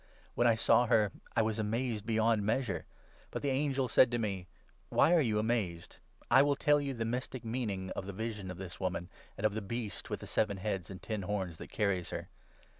When I saw her, I was amazed beyond measure ; but the angel said to me —' Why 7 were you amazed ? I will tell you the mystic meaning of the vision of this woman, and of the Beast, with the seven, heads and ten horns, that carries her.